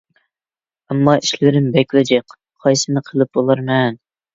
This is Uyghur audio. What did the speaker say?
ئەمما ئىشلىرىم بەكلا جىق. قايسىسىنى قىلىپ بولارمەن؟